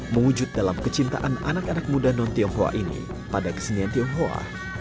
mewujud dalam kecintaan anak anak muda non tionghoa ini pada kesenian tionghoa